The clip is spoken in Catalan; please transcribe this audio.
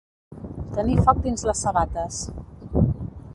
Tenir foc dins les sabates.